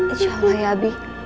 isya allah ya abi